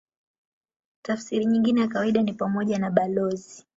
Tafsiri nyingine ya kawaida ni pamoja na balozi.